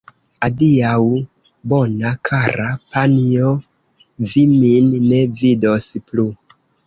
Adiaŭ, bona, kara panjo, vi min ne vidos plu!